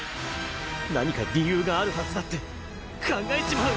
何か理由があるはずだって考えちまう！